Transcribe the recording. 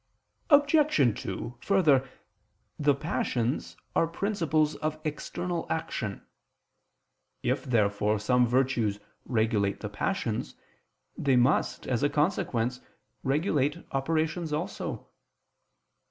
Obj. 2: Further, the passions are principles of external action. If therefore some virtues regulate the passions, they must, as a consequence, regulate operations also.